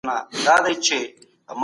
خپل ځان له ککړتیا وساتئ.